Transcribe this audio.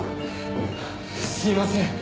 すいません。